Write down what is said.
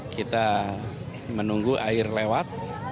kita menunggu air lewat